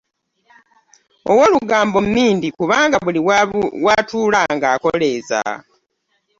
Owolugambo mindi kubanga buli watuula nga koleeza.